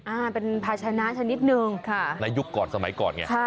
อ่าเป็นภาชนะชนิดหนึ่งค่ะในยุคก่อนสมัยก่อนไง